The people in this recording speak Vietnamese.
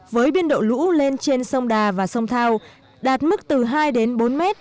với biên độ lũ lên trên sông đà và sông thao đạt mức từ hai đến bốn m